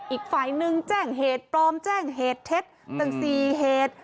อีกฝ่ายนึงแจ้งเหตุปลอมแจ้งเหตุเท็จตั้ง๔เหตุ